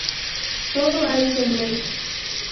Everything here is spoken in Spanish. Todo ha ido mal.